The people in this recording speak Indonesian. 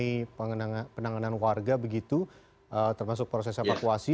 ini penanganan warga begitu termasuk proses evakuasi